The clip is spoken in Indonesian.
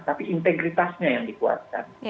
tapi integritasnya yang dikuatkan